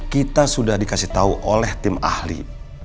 kita sudah dikasih tahu oleh tim ahli